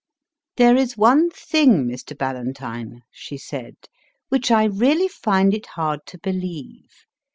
There is one thing, Mr. Ballantyne, she said, which I really find it hard to believe.